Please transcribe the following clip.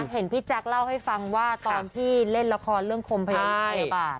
เห็นพี่แจ๊คเล่าให้ฟังว่าตอนที่เล่นละครเรื่องคมพยาบาล